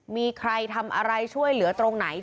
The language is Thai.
มีใครทำอะไรช่วยเหลือตรงไหน